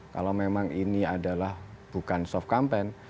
kalau memang ini adalah bukan soft campaign